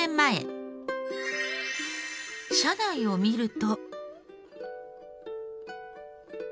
車内を見ると。